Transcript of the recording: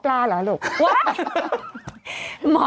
กรมป้องกันแล้วก็บรรเทาสาธารณภัยนะคะ